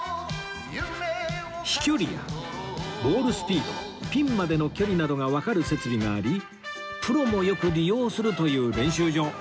飛距離やボールスピードピンまでの距離などがわかる設備がありプロもよく利用するという練習場